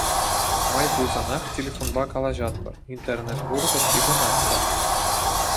Май пулсанах телефонпа калаҫатпӑр, интернет урлӑ ҫыхӑнатпӑр.